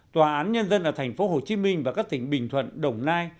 tòa án nhân dân ở thành phố hồ chí minh và các tỉnh bình thuận đồng nai